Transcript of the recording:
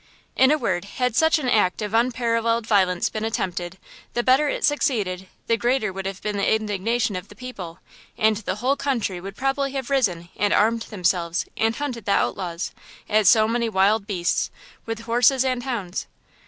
In a word, had such an act of unparalleled violence been attempted, the better it succeeded the greater would have been the indignation of the people, and the whole country would probably have risen and armed themselves and hunted the outlaws, as so many wild beasts, with horses and hounds.